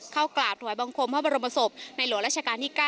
กราบถวายบังคมพระบรมศพในหลวงราชการที่๙